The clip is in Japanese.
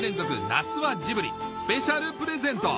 夏はジブリスペシャルプレゼント